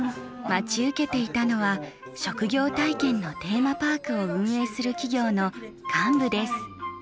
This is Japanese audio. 待ち受けていたのは職業体験のテーマパークを運営する企業の幹部です。